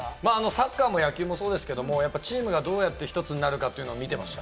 サッカーも野球もそうですけれど、チームがどうやって１つになるか見てました。